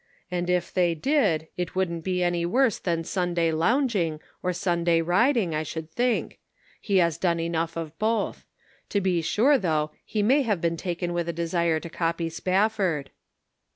And if they did, it wouldn't be any worse than Sunday lounging or Sunday riding, I should think ; he has done enough of both ; Measured in Prose. 423 to be sure, though, he may have been taken with a desire to copy Spafford."